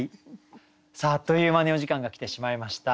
あっという間にお時間が来てしまいました。